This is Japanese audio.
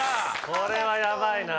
これはヤバいな。